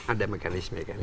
ada mekanisme kan